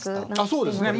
そうですね。